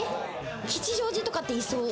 吉祥寺とかって、いそう。